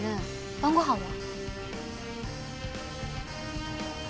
晩ご飯は？